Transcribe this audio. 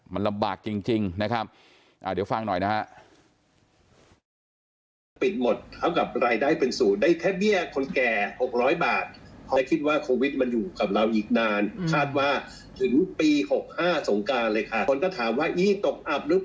มันลำบากจริงนะครับเดี๋ยวฟังหน่อยนะฮะ